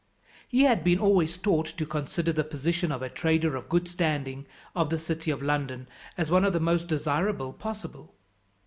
He had been always taught to consider the position of a trader of good standing, of the city of London, as one of the most desirable possible.